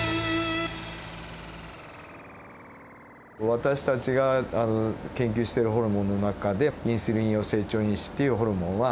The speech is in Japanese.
私たちが研究しているホルモンの中でインスリン様成長因子っていうホルモンは。